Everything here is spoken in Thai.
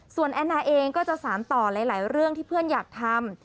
ส่วนแอนนาเองก็จะสารต่อหลายเรื่องที่เพื่อนอยากทำ